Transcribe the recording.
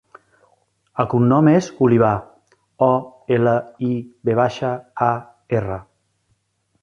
El cognom és Olivar: o, ela, i, ve baixa, a, erra.